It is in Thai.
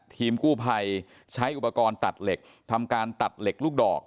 ทีมกู้ภัยใช้อุปกรณ์ตัดเหล็กทำการตัดเหล็กลูกดอก